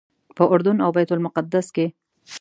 په اردن او بیت المقدس کې.